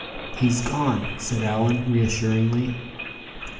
"He's gone!" said Allan, reassuringly.